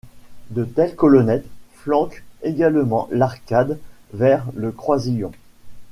De telles colonnettes flanquent également l'arcade vers le croisillon.